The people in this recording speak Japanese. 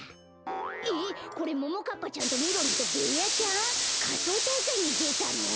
えっこれももかっぱちゃんとみろりんとベーヤちゃん？かそうたいかいにでたの？